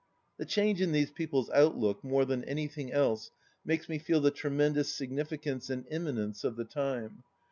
The change in these people's outlook, more than anythiug else, makes me feel the tremendous significance and imminence of the time.